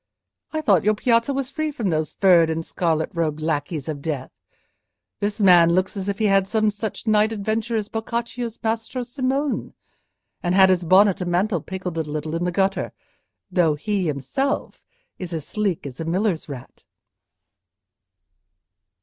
I thought your piazza was free from those furred and scarlet robed lackeys of death. This man looks as if he had had some such night adventure as Boccaccio's Maestro Simone, and had his bonnet and mantle pickled a little in the gutter; though he himself is as sleek as a miller's rat."